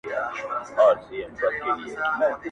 بلا توره دي پسې ستا په هنر سي٫